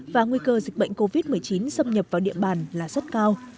và nguy cơ dịch bệnh covid một mươi chín xâm nhập vào địa bàn là rất cao